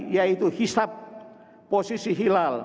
yaitu hisap posisi hilal